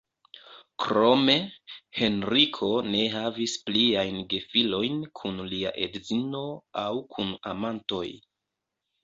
Krome, Henriko ne havis pliajn gefilojn kun lia edzino aŭ kun amantoj.